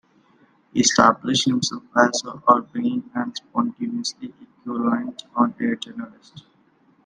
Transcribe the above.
He established himself as an urbane and spontaneously eloquent on-air journalist.